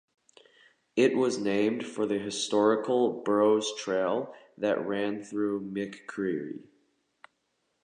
It was named for the historical Burrows Trail that ran through McCreary.